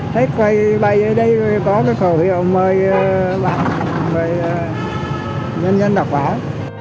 thấy quầy bày ở đây có cái khẩu hiệu mời nhân dân đọc báo